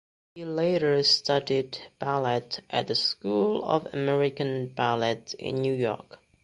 He later studied ballet at the School of American Ballet in New York.